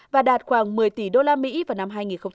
và đạt khoảng một mươi tỷ usd vào năm hai nghìn hai mươi